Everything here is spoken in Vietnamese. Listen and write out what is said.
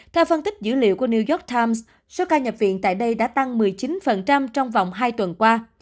theo phân tích dữ liệu của new york times số ca nhập viện tại đây đã tăng một mươi chín trong vòng hai tuần qua